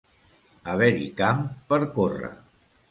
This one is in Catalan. Haver-hi camp per córrer.